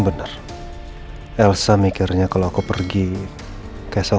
seharusnya kayak gitu